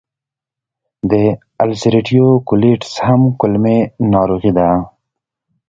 د السرېټیو کولیټس هم کولمې ناروغي ده.